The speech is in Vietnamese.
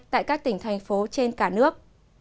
tại các tỉnh thành phố trên cả nước